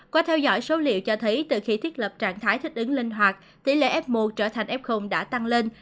qua theo dõi số liệu cho thấy từ khi thiết lập trạng thái thích ứng linh hoạt tỷ lệ f một trở thành f đã tăng lên